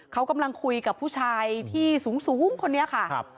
เขากำลังคุยกับผู้ชายที่สูงคนนี้ค่ะ